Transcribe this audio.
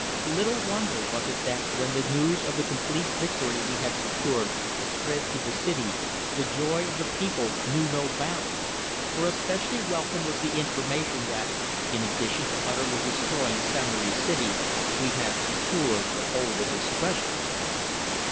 Little wonder was it that when the news of the complete victory we had secured spread through the city the joy of the people knew no bounds, for especially welcome was the information that, in addition to utterly destroying Samory's city we had secured the whole of his treasure.